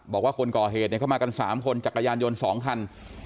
บอกว่าคนก่อเหตุเข้ามากัน๓คนจักรยานยนต์๒คัน